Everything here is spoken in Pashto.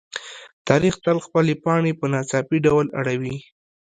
تاریخ تل خپلې پاڼې په ناڅاپي ډول اړوي.